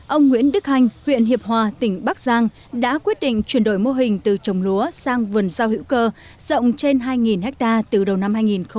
ông nguyễn đức hanh huyện hiệp hòa tỉnh bắc giang đã quyết định chuyển đổi mô hình từ trồng lúa sang vườn rau hữu cơ rộng trên hai ha từ đầu năm hai nghìn một mươi chín